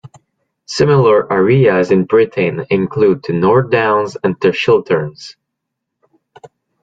Similar areas in Britain include the North Downs and the Chilterns.